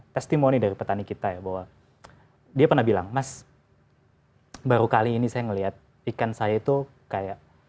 testimoni dari petani kita ya bahwa dia pernah bilang mas baru kali ini saya melihat ikan saya itu kayak